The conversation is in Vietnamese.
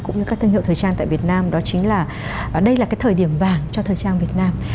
cũng như các thương hiệu thời trang tại việt nam đó chính là đây là cái thời điểm vàng cho thời trang việt nam